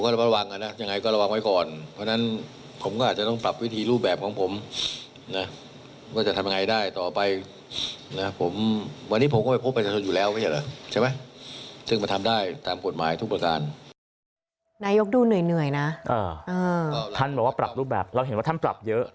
ท่านบอกว่าปรับรูปแบบเราเห็นว่าท่านปรับเยอะ